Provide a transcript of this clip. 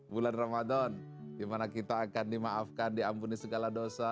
bulan ramadan dimana kita akan dimaafkan diampuni segala dosa